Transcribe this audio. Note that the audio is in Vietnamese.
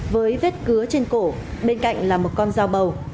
với vết cứa trên cổ bên cạnh là một con dao bầu